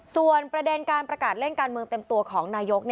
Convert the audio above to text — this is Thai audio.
ส่วนประเด็นการประกาศเล่นการเมืองเต็มตัวของนายก